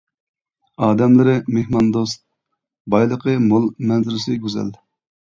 ئادەملىرى مېھماندوست، بايلىقى مول، مەنزىرىسى گۈزەل.